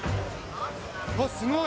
うわ、すごい。